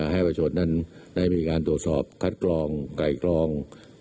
ให้ประชนนั้นได้มีการตรวจสอบคัดกรองไก่กรอง